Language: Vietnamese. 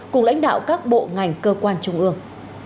cùng lãnh đạo các bộ ngành cơ quan trung ương